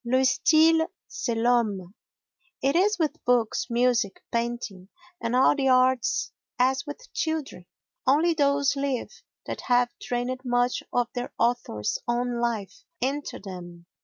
Le Style c'est l'Homme It is with books, music, painting and all the arts as with children—only those live that have drained much of their author's own life into them.